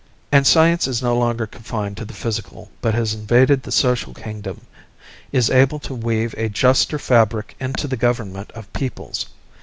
And science is no longer confined to the physical but has invaded the social kingdom, is able to weave a juster fabric into the government of peoples.